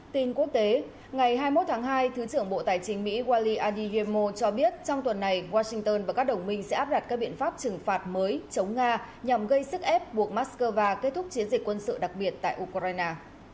tin quốc tế ngày hai mươi một tháng hai thứ trưởng bộ tài chính mỹ waly adi yemo cho biết trong tuần này washington và các đồng minh sẽ áp đặt các biện pháp trừng phạt mới chống nga nhằm gây sức ép buộc moscow kết thúc chiến dịch quân sự đặc biệt tại ukraine